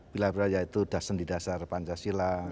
pilar pilar yaitu dasen di dasar pancasila